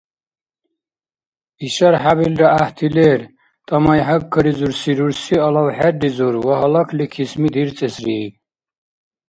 Ишар хӀябилра гӀяхӀти лер… – тамай хӀяккаризурси рурси алав хӀерризур ва гьалакли кисми дирцӀесрииб.